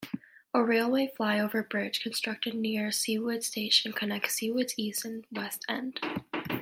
A railway flyover bridge constructed near Seawoods station connects Seawoods East and West end.